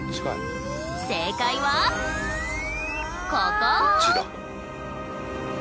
正解はここ！